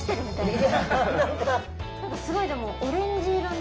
何かすごいでもオレンジ色の。